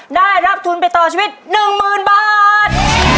ได้รับทุนไปต่อชีวิต๑๐๐๐บาท